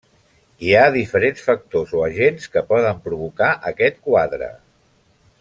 Hi ha diferents factors o agents que poden provocar aquest quadre.